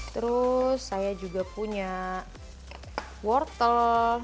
terus saya juga punya wortel